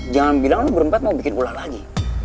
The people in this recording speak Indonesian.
jangan bilang lo berempat mau bikin ulah lagi